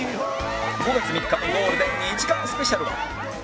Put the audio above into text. ５月３日ゴールデン２時間スペシャルは